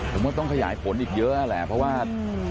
ผมว่าต้องขยายผลอีกเยอะแหละเพราะว่า